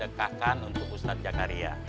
dekahkan untuk ustadz jakaria